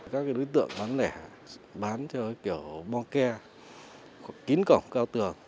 các đối tượng bán lẻ bán theo kiểu bong ke kín cổng cao tường